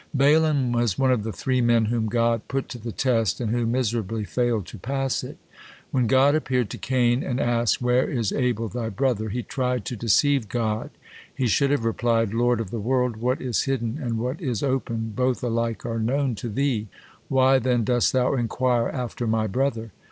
Balaam was one of the three men whom God put to the test and who miserably failed to pass it. When God appeared to Cain and asked, "Where is Abel thy brother?" he tried to deceive God. He should have replied, "Lord of the world! What is hidden and what is open, both alike are known to Thee. Why then dost Thou inquire after my brother?"